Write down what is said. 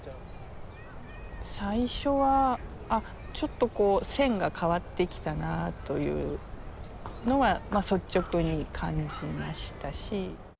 最初は「あっちょっとこう線が変わってきたな」というのは率直に感じましたし。